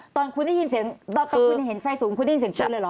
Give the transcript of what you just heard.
ตอนคุณได้ยินเสียงตอนคุณเห็นไฟสูงคุณได้ยินเสียงชัดเลยเหรอ